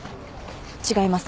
違います。